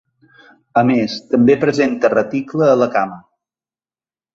A més, també presenta reticle a la cama.